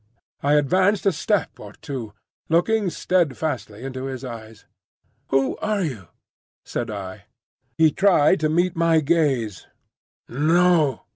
I advanced a step or two, looking steadfastly into his eyes. "Who are you?" said I. He tried to meet my gaze. "No!"